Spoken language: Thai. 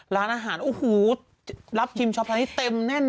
ร้านอาหารรับชิมช็อปทันที่เต็มแน่น